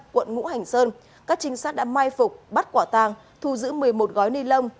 quận ngũ hành sơn các trinh sát đã mai phục bắt quả tàng thu giữ một mươi một gói ni lông